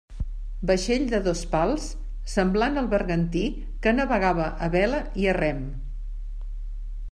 Vaixell de dos pals, semblant al bergantí que navegava a vela i a rem.